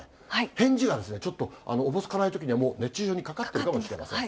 返事がちょっと、おぼつかないときには、もう熱中症にかかっているかもしれません。